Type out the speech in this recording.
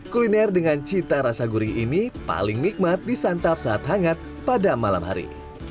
kuliner dengan cita rasa gurih ini paling nikmat disantap saat hangat pada malam hari